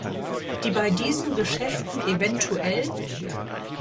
Die bei diesen Geschäften evtl.